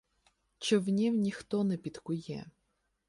Човнів ніхто не підкує.